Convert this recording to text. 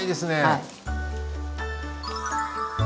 はい。